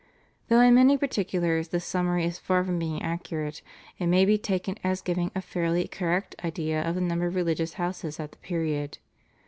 Though in many particulars this summary is far from being accurate, it may be taken as giving a fairly correct idea of the number of religious houses at the period.